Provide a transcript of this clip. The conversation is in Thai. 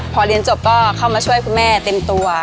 พอเรียนจบก็เข้ามาช่วยคุณแม่เต็มตัว